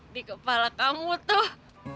di kepala kamu tuh